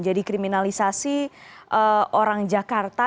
jadi kriminalisasi orang jakarta